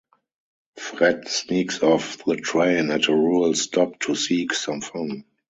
Fred sneaks off the train at a rural stop to seek some fun.